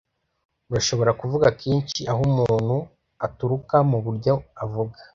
Urashobora kuvuga kenshi aho umuntu aturuka muburyo avuga.